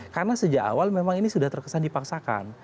karena sejak awal memang ini sudah terkesan dipaksakan